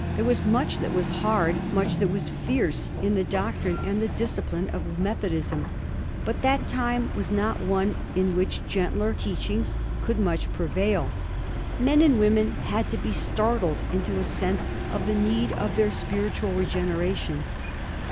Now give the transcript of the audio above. There was much that was hard, much that was fierce, in the doctrine and the discipline of Methodism, but that time was not one in which gentler teachings could much prevail. Men and women had to be startled into a sense of the need of their spiritual regenera tion.